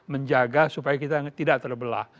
menjaga supaya kita tidak terbelah